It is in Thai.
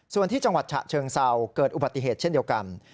ส่วนที่จังหวัดฉะเชิงเศร้าเกิดอุบัติเหตุเช่นเดียวกัน